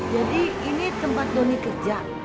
jadi ini tempat doni kerja